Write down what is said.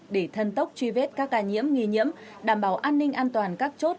để thân tốc truy vết các ca nhiễm nghi nhiễm đảm bảo an ninh an toàn các chốt